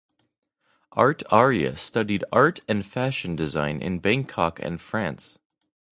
Art Arya studied art and fashion design in Bangkok and France.